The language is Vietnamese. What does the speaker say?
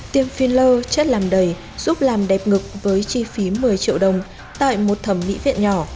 tiêm filler chất làm đầy giúp làm đẹp ngực với chi phí một mươi triệu đồng tại một thẩm mỹ viện nhỏ